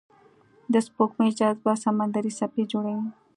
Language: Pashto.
د سپوږمۍ جاذبه سمندري څپې جوړوي.